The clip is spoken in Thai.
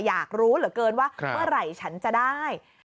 อยากรู้เหลือเกินว่าเมื่อไหร่ฉันจะได้